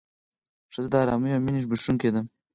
ښځه د ارامۍ او مینې بښونکې ده.